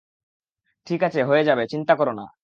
ঠিক আছে হয়ে যাবে, চিন্তা করো না।